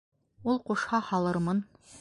Ул ҡушһа, һалырмын.